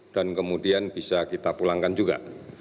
dan kemudian bisa kita pulangkan juga